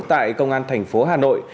tại công an thành phố hà nội